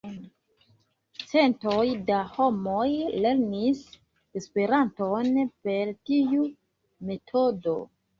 Centoj da homoj lernis Esperanton per tiu metodo.